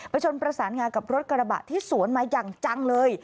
ชนประสานงากับรถกระบะที่สวนมาอย่างจังเลย